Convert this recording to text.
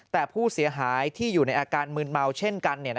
แต่ผู้เสียหายที่อยู่ในอาการมืนเมาเช่นกัน